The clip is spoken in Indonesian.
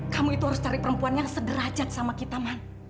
kamu itu harus cari perempuan yang sederajat sama kita man